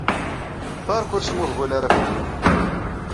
Berka ur smuhbul ara fell-i!